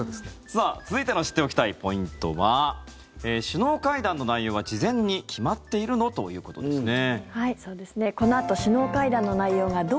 続いての知っておきたいポイントは首脳会談の内容は事前に決まっているの？ということですね。